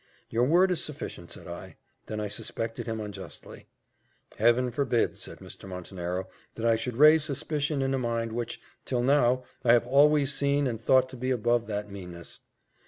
"Your word is sufficient," said I. "Then I suspected him unjustly." "Heaven forbid," said Mr. Montenero, "that I should raise suspicion in a mind which, till now, I have always seen and thought to be above that meanness.